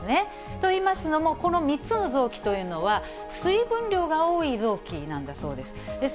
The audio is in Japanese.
といいますのも、この３つの臓器というのは、水分量が多い臓器なんだそうです。